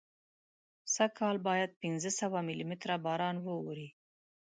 سږکال باید پینځه سوه ملي متره باران واوري.